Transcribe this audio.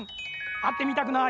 あってみたくない？